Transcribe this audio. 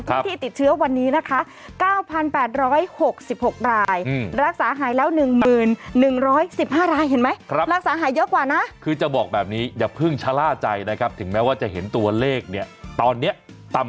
คนที่ติดเชื้อวันนี้นะคะ๙๘๖๖รายรักษาหายแล้ว๑๐๑๑๕รายเห็นไหม